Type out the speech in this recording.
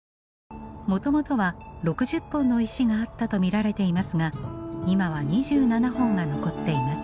もともとは６０本の石があったと見られていますが今は２７本が残っています。